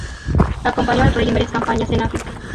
Acompañó al rey en varias campañas en África.